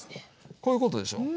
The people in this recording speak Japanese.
こういうことでしょ。